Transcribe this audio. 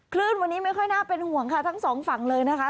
คลื่นวันนี้ไม่ค่อยน่าเป็นห่วงค่ะทั้งสองฝั่งเลยนะคะ